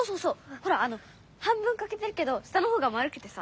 ほら半分かけてるけど下のほうが丸くてさ。